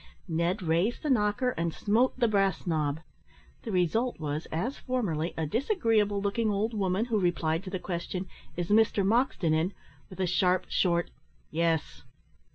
Ned raised the knocker, and smote the brass knob. The result was, as formerly, a disagreeable looking old woman, who replied to the question, "Is Mr Moxton in?" with a sharp, short, "Yes."